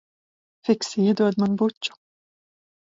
Fiksi iedod man buču.